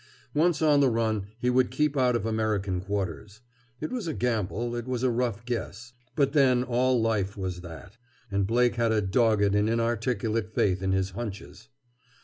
Once on the run, he would keep out of American quarters. It was a gamble; it was a rough guess. But then all life was that. And Blake had a dogged and inarticulate faith in his "hunches."